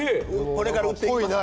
これから売っていきます。